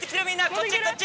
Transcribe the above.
こっち！